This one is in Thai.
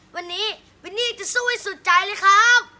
วันนี้วินนี่จะสู้ให้สุดใจเลยครับ